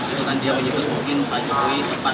itu kan dia menyebut mungkin pak jokowi sempat